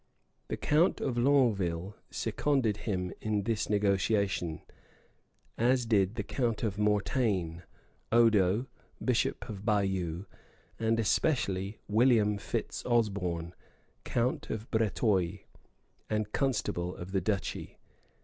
The count of Longueville seconded him in this negotiation; as did the count of Mortaigne, Odo, bishop of Baieux, and especially William Fitz Osborne, count of Breteuil, and constable of the duchy.